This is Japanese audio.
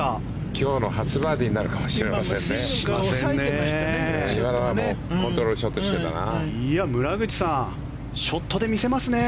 今日の初バーディーになるかもしれませんね。